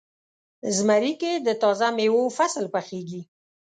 زمری کې د تازه میوو فصل پخیږي.